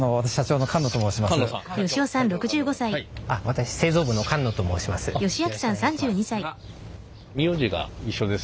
私製造部の菅野と申します。